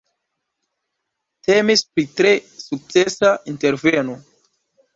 Temis pri tre sukcesa interveno.